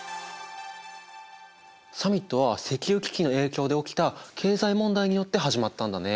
サミットは石油危機の影響で起きた経済問題によって始まったんだね。